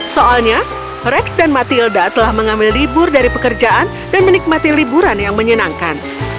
soalnya rex dan matilda telah mengambil libur dari pekerjaan dan menikmati liburan yang menyenangkan